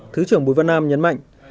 thứ trưởng bùi phan nam nhấn mạnh